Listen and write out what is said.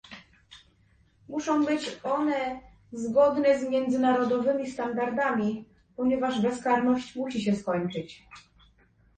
Muszą być one zgodne z międzynarodowymi standardami, ponieważ bezkarność musi się skończyć